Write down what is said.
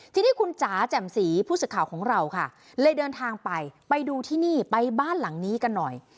ทีนี้คุณจ๋าแจ่มสีผู้สื่อข่าวของเราค่ะเลยเดินทางไปไปดูที่นี่ไปบ้านหลังนี้กันหน่อย